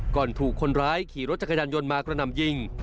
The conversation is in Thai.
ถูกคนร้ายขี่รถจักรยานยนต์มากระหน่ำยิง